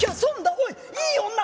おいいい女！」。